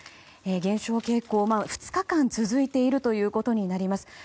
減少傾向、２日間続いているということになります。